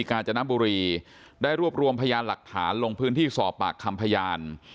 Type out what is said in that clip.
กาญจนบุรีได้รวบรวมพยานหลักฐานลงพื้นที่สอบปากคำพยาน